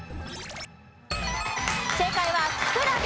正解はキクラゲ。